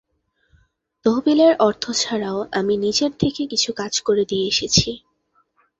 তহবিলের অর্থ ছাড়াও আমি নিজের থেকে কিছু কাজ করে দিয়ে এসেছি।